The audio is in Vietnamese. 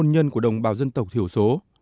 tạo hôn nhân của đồng bào dân tộc thiểu số